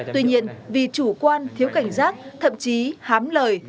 tuy nhiên vì chủ quan thiếu cảnh giác thậm chí hám lời